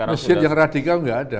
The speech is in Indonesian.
masjid yang radikal gak ada